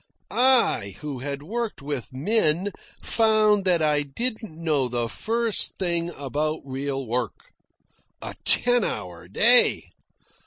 I, who had worked with men, found that I didn't know the first thing about real work. A ten hour day!